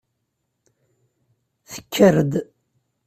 Tekker-d.